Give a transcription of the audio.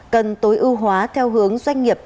cần tối ưu hóa theo hướng doanh nghiệp